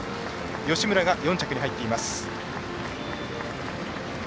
吉村が４着に入っています。